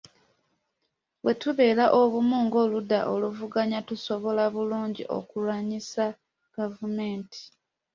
Bwe tubeera obumu ng’oludda oluvuganya, tusobola bulungi okulwanyisa gavumenti.